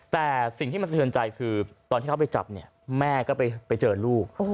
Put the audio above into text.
แต่สิ่งที่มันสะเทือนใจคือตอนที่เขาไปจับเนี่ยแม่ก็ไปเจอลูก